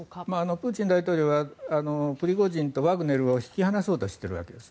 プーチン大統領はプリゴジンとワグネルを引き離そうとしているわけです。